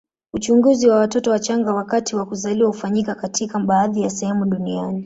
Uchunguzi wa watoto wachanga wakati wa kuzaliwa hufanyika katika baadhi ya sehemu duniani.